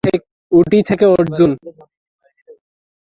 উটি থেকে অর্জুন।